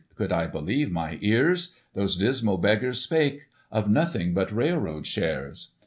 Could I believe my ears ? Those dismal beggars spake Of nothing but railroad shares.